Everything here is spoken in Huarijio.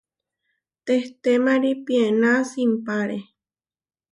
Tehtémari piená simpáre.